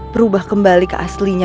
berubah kembali ke aslinya